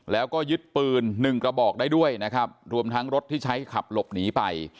แล้วก็ยึดปืนหนึ่งกระบอกได้ด้วยนะครับรวมทั้งรถที่ใช้ขับหลบหนีไป